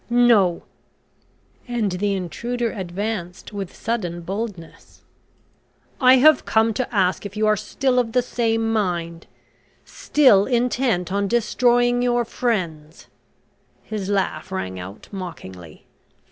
"No," and the intruder advanced with sudden boldness. "I have come to ask if you are still of the same mind still intent on destroying your friends." His laugh rang out mockingly.